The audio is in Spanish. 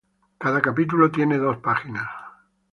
Cada capítulo tiene dos páginas.